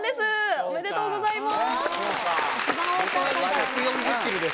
ありがとうございます。